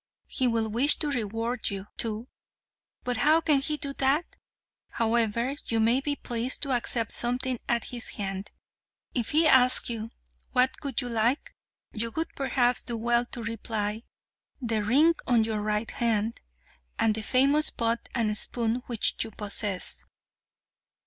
He will wish to reward you, too. But how can he do that? However, you may be pleased to accept something at his hand. If he asks you what you would like, you would, perhaps, do well to reply, 'The ring on your right hand, and the famous pot and spoon which you possess.'